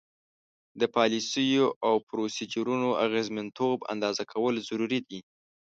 د پالیسیو او پروسیجرونو اغیزمنتوب اندازه کول ضروري دي.